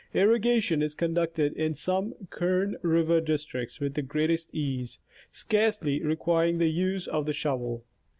Irrigation is conducted in some Kern river districts with the greatest ease, scarcely requir ing the use of the shovel.